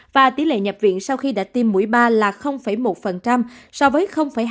và tỷ lệ nhập viện sau khi đã tiêm mũi ba là một so với hai